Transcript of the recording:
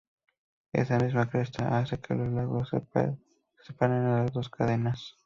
Esa misma cresta hace que los lagos se separen en dos cadenas.